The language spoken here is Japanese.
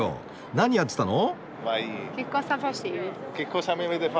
何やってたの？